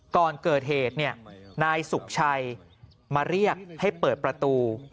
ก่อนเกิดเหตุนายสุขชัยมาเรียกให้เปิดประตู